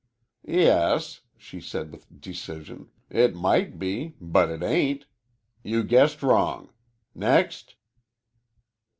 "Yes," she said, with decision, "it might be, but it ain't. You guessed wrong. Next!"